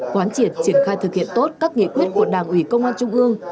quán triệt triển khai thực hiện tốt các nghị quyết của đảng ủy công an trung ương